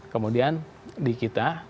kemudian di kita